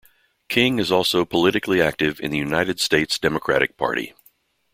King is also politically active in the United States Democratic Party.